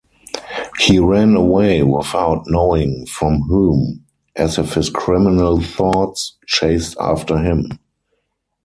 He ran away without knowing from whom, as if his criminal thoughts chased after him.